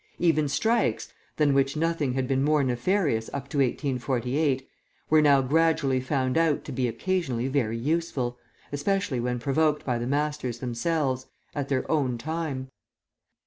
Even strikes, than which nothing had been more nefarious up to 1848, were now gradually found out to be occasionally very useful, especially when provoked by the masters themselves, at their own time.